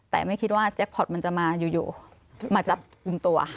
แต่ไม่คิดว่าแจ็คพอร์ตมันจะมาอยู่มาจับกลุ่มตัว